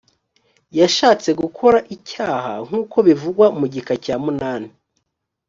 yashatse gukora icyaha nk uko bivugwa mu gika cya munani